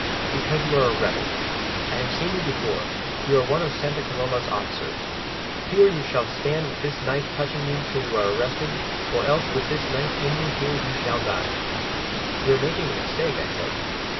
"Because you are a rebel. I have seen you before, you are one of Santa Coloma's officers. Here you shall stand with this knife touching you till you are arrested, or else with this knife in you here you shall die." "You are making a mistake," I said.